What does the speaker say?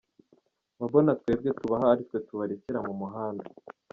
Mba mbona twebwe tubaha ari twe tubarekera mu muhanda.